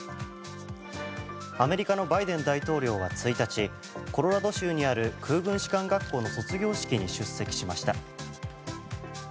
アメリカのバイデン大統領は１日、コロラド州にある空軍士官学校の卒業式に出席しました。